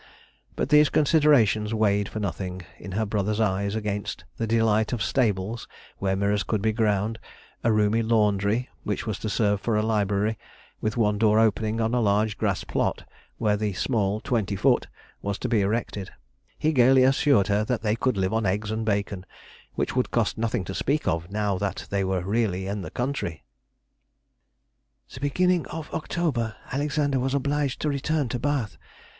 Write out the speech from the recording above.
But these considerations weighed for nothing in her brother's eyes against the delight of stables where mirrors could be ground, a roomy laundry, which was to serve for a library, with one door opening on a large grass plot, where "the small twenty foot" was to be erected; he gaily assured her that they could live on eggs and bacon, which would cost nothing to speak of now that they were really in the country! The beginning of October, Alexander was obliged to return to Bath.